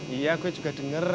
iya gue juga denger